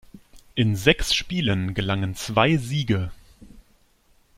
In sechs Spielen gelangen zwei Siege.